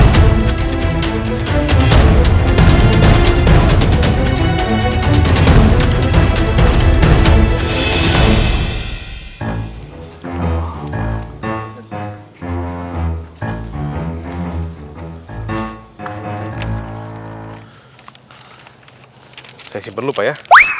saya simpen dulu pak ya